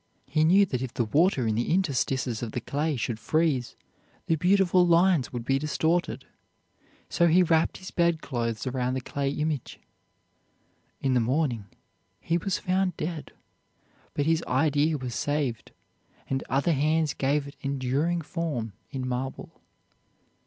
He knew that if the water in the interstices of the clay should freeze, the beautiful lines would be distorted. So he wrapped his bedclothes around the clay image. In the morning he was found dead, but his idea was saved, and other hands gave it enduring form in marble.